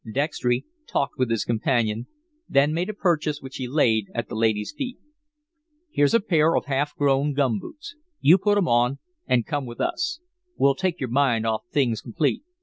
Dextry talked with his companion, then made a purchase which he laid at the lady's feet. "Here's a pair of half grown gum boots. You put 'em on an' come with us. We'll take your mind off of things complete.